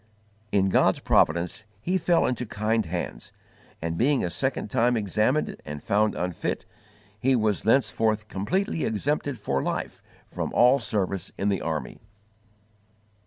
In God's providence he fell into kind hands, and, being a second time examined and found unfit, he was thenceforth _completely exempted for life from all service in the army.